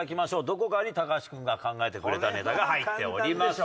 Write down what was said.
どこかに橋君が考えてくれたネタが入っております。